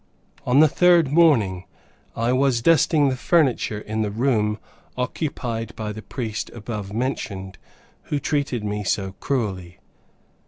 On the third morning, I was dusting the furniture in the room occupied by the priest above mentioned, who treated me so cruelly.